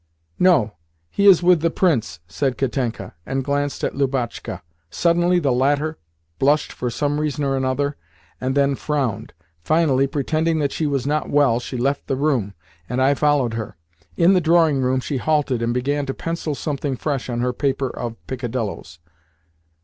"No, he is with the Prince," said Katenka, and glanced at Lubotshka. Suddenly the latter blushed for some reason or another, and then frowned. Finally, pretending that she was not well, she left the room, and I followed her. In the drawing room she halted, and began to pencil something fresh on her paper of peccadilloes.